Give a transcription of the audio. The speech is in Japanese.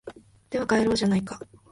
では帰ろうじゃないか